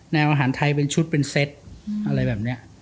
อาหารไทยเป็นชุดเป็นเซตอะไรแบบนี้